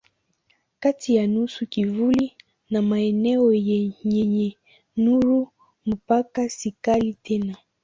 Kati ya nusu kivuli na maeneo yenye nuru mpaka si kali tena.